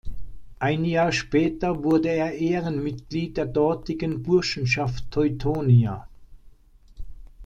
Ein Jahr später wurde er Ehrenmitglied der dortigen Burschenschaft Teutonia.